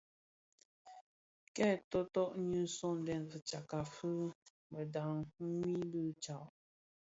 Kè toto nyi sõňdèn fitsakka fi mëdhad ňyi bi tsag.